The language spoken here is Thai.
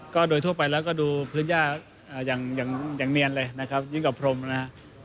ก็โดยทั่วไปแล้วก็ดูพื้นย่าอย่างเนียนเลยนะครับยิ่งกับพรมนะฮะ